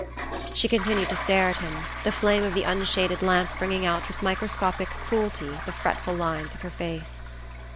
She continued to stare at him, the flame of the unshaded lamp bringing out with microscopic cruelty the fretful lines of her face.